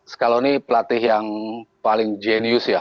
scaloni pelatih yang paling jenius ya